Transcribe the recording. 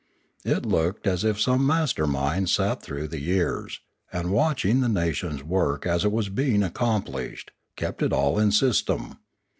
It looked as if some master mind had. sat through the years, and watching the nation's work as it was being accomplished, kept it all in system.